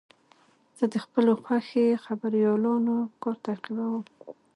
زه د خپلو خوښې خبریالانو کار تعقیبوم.